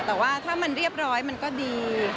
แต่ว่าถ้ามันเรียบร้อยมันก็ดี